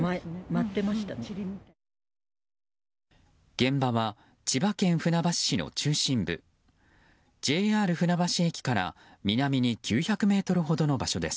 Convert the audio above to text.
現場は、千葉県船橋市の中心部ＪＲ船橋駅から南に９００ｍほどの場所です。